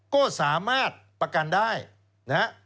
ก็สามารถประกันได้นะฮะ